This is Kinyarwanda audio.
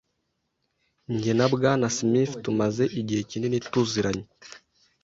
Jye na Bwana Smith tumaze igihe kinini tuziranye.